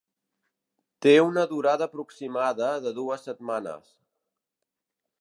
Té una durada aproximada de dues setmanes.